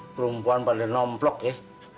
perempuan pada nomplok ya